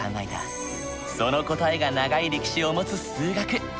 その答えが長い歴史を持つ数学。